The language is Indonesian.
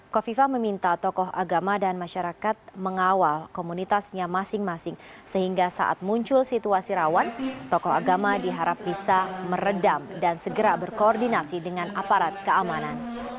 kofifa meminta tokoh agama dan masyarakat mengawal komunitasnya masing masing sehingga saat muncul situasi rawan tokoh agama diharap bisa meredam dan segera berkoordinasi dengan aparat keamanan